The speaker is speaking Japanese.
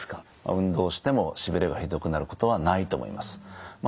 運動をしてもしびれがひどくなることはないと思います。